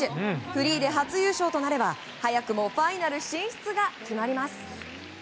フリーで初優勝となれば早くもファイナル進出が決まります。